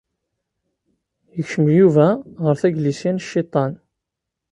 Yekcem Yuba ɣer taglisya n cciṭan.